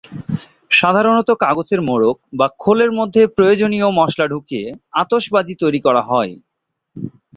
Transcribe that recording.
সাধারণত কাগজের মোড়ক বা খোলের মধ্যে প্রয়োজনীয় মসলা ঢুকিয়ে আতশবাজি তৈরি করা হয়।